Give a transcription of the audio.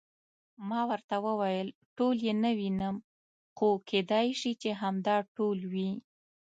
ما ورته وویل: ټول یې نه وینم، خو کېدای شي چې همدا ټول وي.